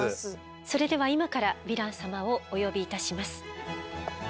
それでは今からヴィラン様をお呼びいたします。